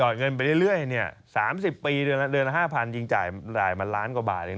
เงินไปเรื่อยเนี่ย๓๐ปีเดือนละ๕๐๐จริงจ่ายมาล้านกว่าบาทเอง